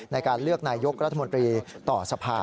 ในการเลือกนายกรัฐมนตรีต่อสภา